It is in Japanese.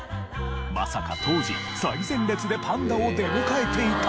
まさか当時最前列でパンダを出迎えていたとは。